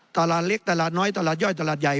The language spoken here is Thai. ตลาดเล็กตลาดน้อยตลาดย่อยตลาดใหญ่